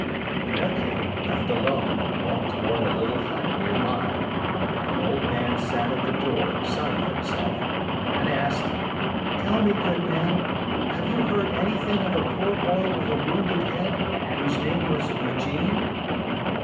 Pinocchio, left alone, walked toward a little hut near by, where an old man sat at the door sunning himself, and asked: "Tell me, good man, have you heard anything of a poor boy with a wounded head, whose name was Eugene?"